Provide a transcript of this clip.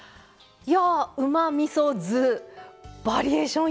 うまみそ酢バリエーション